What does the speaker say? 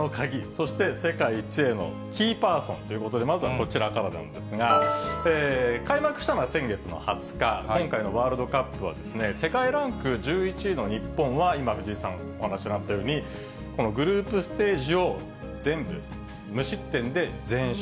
そして世界一へのキーパーソンということで、まずはこちらからなんですが、開幕したのは先月の２０日、今回のワールドカップは、世界ランク１１位の日本は、今、藤井さんお話しになったように、このグループステージを全部無失点で全勝。